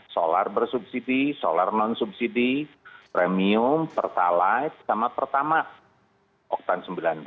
solar bersubsidi solar non subsidi premium pertalite sama pertama oktan sembilan puluh